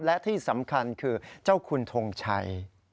และที่สำคัญคือเจ้าคุณทงชัย